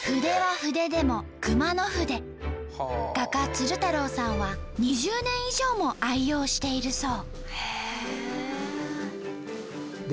画家鶴太郎さんは２０年以上も愛用しているそう。